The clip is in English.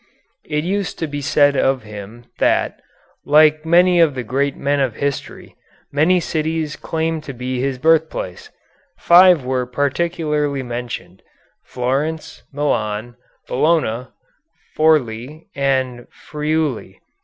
It used to be said of him that, like many of the great men of history, many cities claimed to be his birthplace. Five were particularly mentioned Florence, Milan, Bologna, Forli, and Friuli.